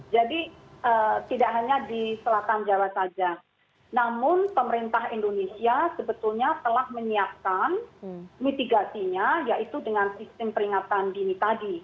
jadi tidak hanya di selatan jawa saja namun pemerintah indonesia sebetulnya telah menyiapkan mitigasinya yaitu dengan sistem peringatan dini tadi